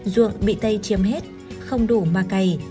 ruộng bị tây chiếm hết không đủ mà cày